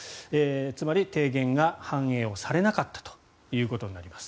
つまり、提言が反映をされなかったということになります。